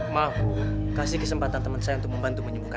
mau kasih kesempatan teman saya untuk membantu menyembuhkan